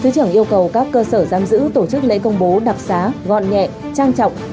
thứ trưởng yêu cầu các cơ sở giam giữ tổ chức lễ công bố đặc xá gọn nhẹ trang trọng